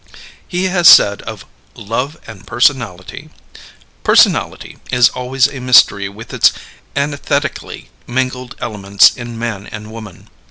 He has said of "Love and Personality": Personality is always a mystery with its antithetically mingled elements in man and woman.